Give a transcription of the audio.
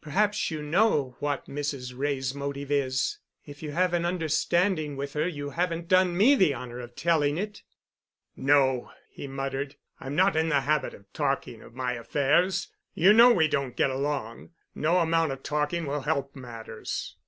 Perhaps you know what Mrs. Wray's motive is. If you have an understanding with her you haven't done me the honor of telling it." "No," he muttered, "I'm not in the habit of talking of my affairs. You know we don't get along. No amount of talking will help matters."